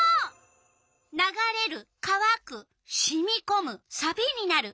「ながれる」「かわく」「しみこむ」「さびになる」。